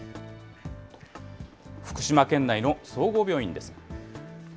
福島県内の総合病院です。